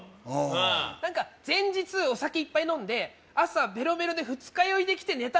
何か前日お酒いっぱい飲んで朝ベロベロで二日酔いで来てネタ